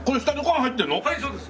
はいそうです。